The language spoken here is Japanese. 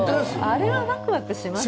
あれはワクワクしますよ。